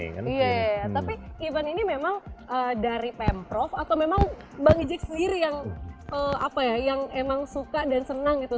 iya tapi event ini memang dari pemprov atau memang bang ijik sendiri yang emang suka dan senang gitu